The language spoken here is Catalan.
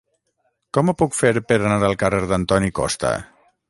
Com ho puc fer per anar al carrer d'Antoni Costa?